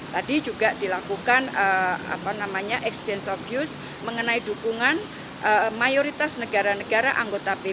tadi juga dilakukan exchange of views mengenai dukungan